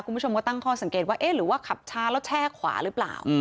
คุณผู้ชมก็ตั้งข้อสังเกตว่าเอ๊ะหรือว่าขับช้าแล้วแช่ขวาหรือเปล่า